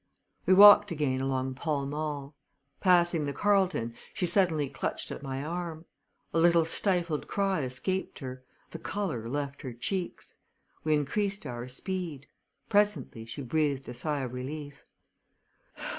We walked again along Pall Mall. Passing the Carlton she suddenly clutched at my arm. A little stifled cry escaped her; the color left her cheeks. We increased our speed. Presently she breathed a sigh of relief.